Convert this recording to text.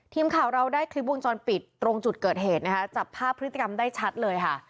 ทีมข่าวเราได้คลิปวงจรปิดตรงจุดเกิดเหตุนะคะจับภาพพฤติกรรมได้ชัดเลยค่ะ